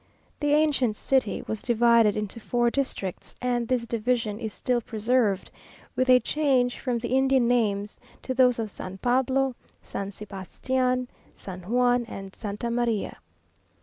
The ancient city was divided into four districts, and this division is still preserved, with a change from the Indian names to those of San Pablo, San Sebastian, San Juan, and Santa María.